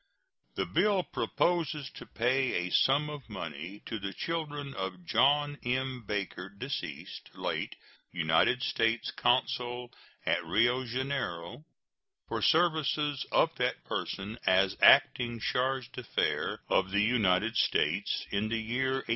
The bill proposes to pay a sum of money to the children of John M. Baker, deceased, late United States consul at Rio Janeiro, for services of that person as acting chargé d'affaires of the United States in the year 1834.